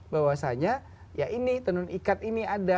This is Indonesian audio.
bahwasanya ya ini tenun ikat ini ada